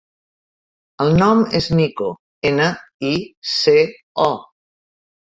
El nom és Nico: ena, i, ce, o.